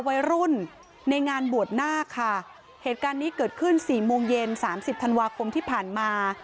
วัยรุ่นในงานบวชนาคค่ะเหตุการณ์นี้เกิดขึ้นสี่โมงเย็นสามสิบธันวาคมที่ผ่านมา